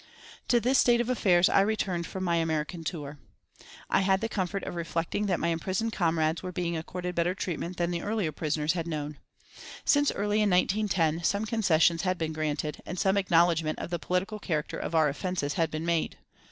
To this state of affairs I returned from my American tour. I had the comfort of reflecting that my imprisoned comrades were being accorded better treatment than the early prisoners had known. Since early in 1910 some concessions had been granted, and some acknowledgment of the political character of our offences had been made.